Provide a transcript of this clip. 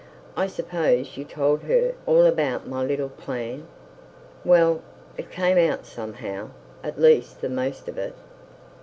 'I suppose you told her all about my little plan?' 'Well, it came out somehow; at least the most of it.'